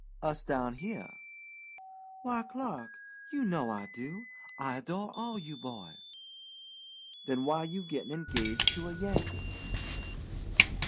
"Us down here?" "Why, Clark, you know I do. I adore all you boys." "Then why you gettin' engaged to a Yankee?"